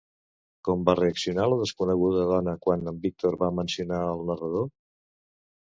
Com va reaccionar la desconeguda dona quan en Víctor va mencionar el narrador?